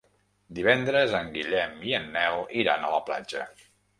Divendres en Guillem i en Nel iran a la platja.